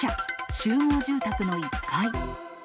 集合住宅の１階。